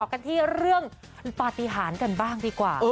กันที่เรื่องปฏิหารกันบ้างดีกว่า